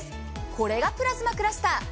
これがプラズマクラスター。